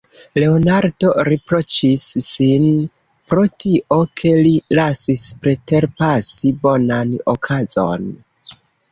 Leonardo riproĉis sin pro tio, ke li lasis preterpasi bonan okazon.